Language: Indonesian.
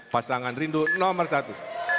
pasangan rindu nomor satu